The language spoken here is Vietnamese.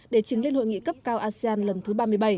để trình lên hội nghị cấp cao asean lần thứ ba mươi bảy